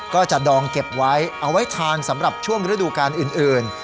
ก็จะดองเก็บไว้เอาไว้ทานสำหรับช่วงฤดูการอื่น